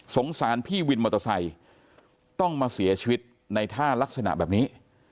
สารพี่วินมอเตอร์ไซค์ต้องมาเสียชีวิตในท่ารักษณะแบบนี้